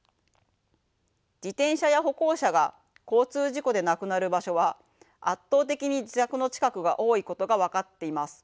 自転車や歩行者が交通事故で亡くなる場所は圧倒的に自宅の近くが多いことが分かっています。